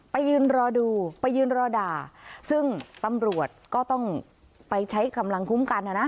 ยืนรอดูไปยืนรอด่าซึ่งตำรวจก็ต้องไปใช้กำลังคุ้มกันนะนะ